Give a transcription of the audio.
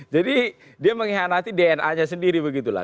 jadi dia mengkhianati dna nya sendiri begitu lah